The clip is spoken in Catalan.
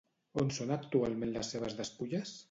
On són actualment les seves despulles?